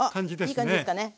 いい感じですかね。